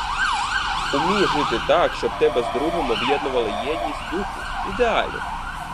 Умій жити так, щоб тебе з другом об'єднувала єдність духу, ідеалів...